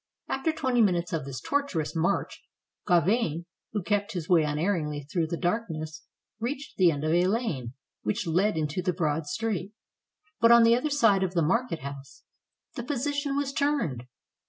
After twenty minutes of this tortuous march, Gau vain, who kept his way unerringly through the darkness, reached the end of a lane which led into the broad street, but on the other side of the market house. The position was turned.